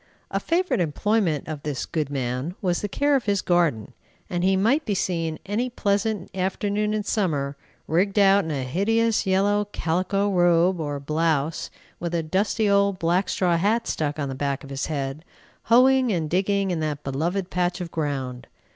A favorite employment of this good man was the care of his garden, and he might be seen any pleasant afternoon in summer, rigged out in a hideous yellow calico robe, or blouse, with a dusty old black straw hat stuck on the back of his head, hoeing and digging in that beloved patch of ground.